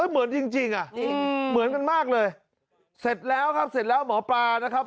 เหมือนจริงจริงอ่ะเหมือนกันมากเลยเสร็จแล้วครับเสร็จแล้วหมอปลานะครับ